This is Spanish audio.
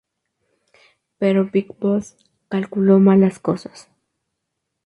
Pero Big Boss calculó mal las cosas.